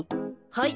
はい。